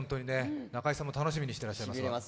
中居さんも楽しみにしてらっしゃいます。